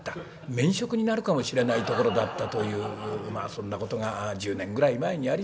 免職になるかもしれないところだったというそんなことが１０年ぐらい前にありました。